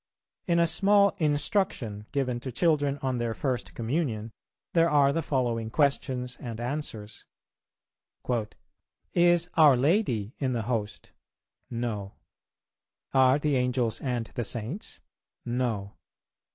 In a small "Instruction" given to children on their first Communion, there are the following questions and answers: "Is our Lady in the Host? No. Are the Angels and the Saints? No.